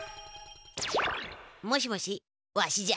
もしもしわしじゃ。